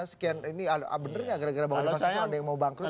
sekian ini bener gak gara gara bahwa infrastruktur ada yang mau bangkrut